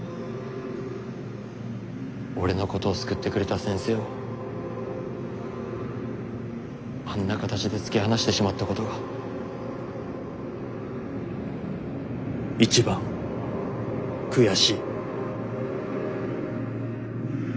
「俺のことを救ってくれた先生をあんな形で突き放してしまったことが一番悔しい」。